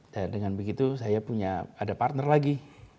dan dengan begitu saya punya ada partner lagi